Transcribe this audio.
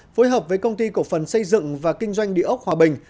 phối hợp với công ty cổ phần xây dựng và kinh doanh địa ốc hòa bình